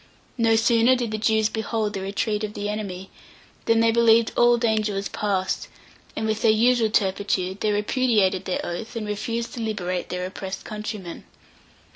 No sooner did the Jews behold the retreat of the enemy, than they believed all danger was past, and, with their usual turpitude, they repudiated their oath, and refused to liberate their oppressed countrymen.